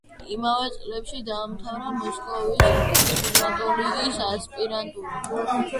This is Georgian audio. იმავე წლებში დაამთავრა მოსკოვის კონსერვატორიის ასპირანტურა.